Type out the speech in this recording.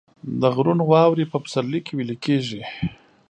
د غرونو واورې په پسرلي کې ویلې کیږي